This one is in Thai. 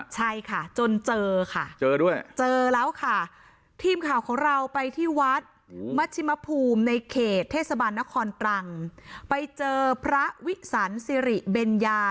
ใช่ค่ะจนเจอค่ะเจอด้วยเจอแล้วค่ะทีมข่าวของเราไปที่วัดมัชิมภูมิในเขตเทศบาลนครตรังไปเจอพระวิสันสิริเบญญา